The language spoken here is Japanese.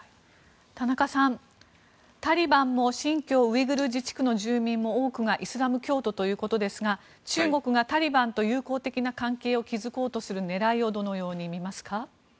田中さん、タリバンも新疆ウイグル自治区の住民も多くがイスラム教徒ということですが中国がタリバンと友好的な関係を築こうとする狙いをどのように見ますか？